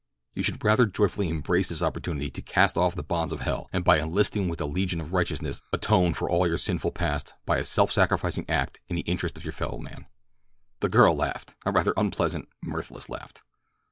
You should rather joyfully embrace this opportunity to cast off the bonds of hell, and by enlisting with the legion of righteousness atone for all your sinful past by a self sacrificing act in the interest of your fellow man." The girl laughed, a rather unpleasant, mirthless laugh.